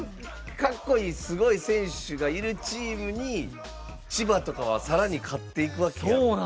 すごい選手がいるチームに千葉とかはさらに勝っていくわけやろ。